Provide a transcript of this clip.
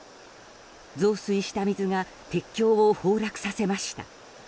増水した水が鉄橋を崩落させました。